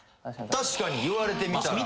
確かに言われてみたら。